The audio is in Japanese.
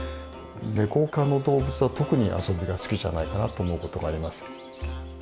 ネコ科の動物は特に遊びが好きじゃないかなと思うことがあります。